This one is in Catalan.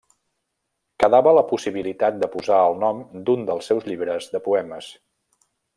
Quedava la possibilitat de posar el nom d'un dels seus llibres de poemes.